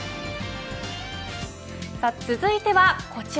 続いてはこちら。